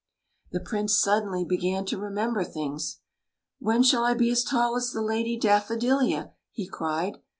The Prince suddenly began to remember things. " When shall I be as tall as the Lady Daffodilia?" he cried.